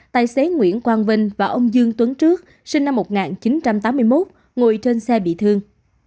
tài xế nguyễn quang vinh và ông dương tuấn trước sinh năm một nghìn chín trăm tám mươi một ngồi trên xe bị thương